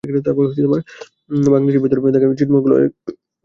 বাংলাদেশের ভেতরে থাকা ছিটমহলগুলোর মানুষেরা এবার বাংলাদেশি হিসেবে পালন করলেন বিজয় দিবস।